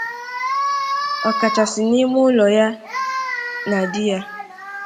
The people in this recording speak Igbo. ọkachasị n'ime ụlọ ya na di ya